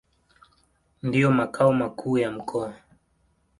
Ndio makao makuu ya mkoa.